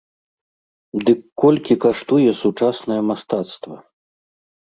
Дык колькі каштуе сучаснае мастацтва?